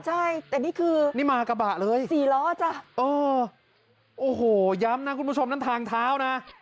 ใช่แต่นี่คือนี่มากระบะเลยสี่ล้อจ้ะเออโอ้โหย้ำนะคุณผู้ชมนั่นทางเท้านะ